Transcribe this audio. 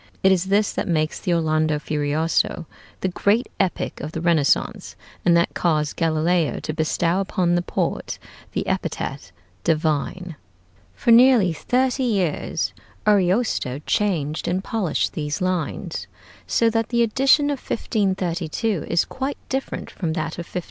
It is this that makes the 'Orlando Furioso' the great epic of the Renaissance, and that caused Galileo to bestow upon the poet the epithet "divine." For nearly thirty years Ariosto changed and polished these lines, so that the edition of 1532 is quite different from that of 1516.